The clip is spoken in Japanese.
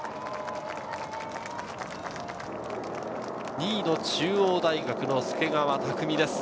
２位の中央大学の助川拓海です。